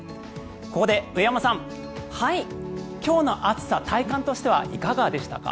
ここで上山さん、今日の暑さ体感としてはいかがでしたか？